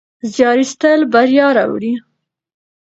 زیار ایستل بریا راوړي.